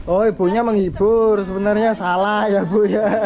oh ibunya menghibur sebenarnya salah ya bu ya